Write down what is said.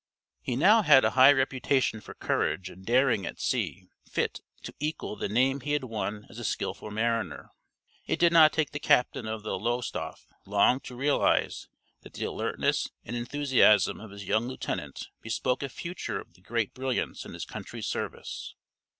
He now had a high reputation for courage and daring at sea fit to equal the name he had won as a skilful mariner. It did not take the captain of the Lowestoffe long to realize that the alertness and enthusiasm of his young lieutenant bespoke a future of the greatest brilliance in his country's service.